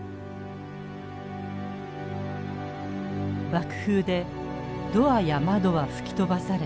爆風でドアや窓は吹き飛ばされ